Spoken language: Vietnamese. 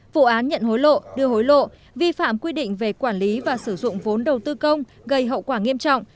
vụ án nhận hối lộ đưa hối lộ vi phạm quy định về quản lý và sử dụng vốn đầu tư công gây hậu quả nghiêm trọng